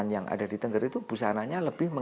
ya terus latihan